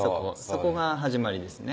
そこが始まりですね